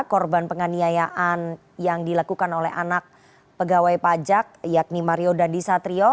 korban penganiayaan yang dilakukan oleh anak pegawai pajak yakni mario dandisatrio